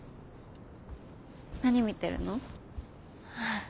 何見てるの？